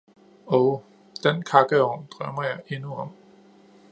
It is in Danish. Oh, den kakkeovn drømmer jeg endnu om.